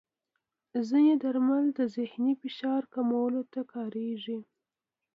ځینې درمل د ذهني فشار کمولو ته کارېږي.